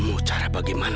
aku disinilah dia mulia